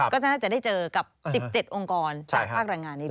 ก็น่าจะได้เจอกับ๑๗องค์กรจากภาคแรงงานนี้ด้วย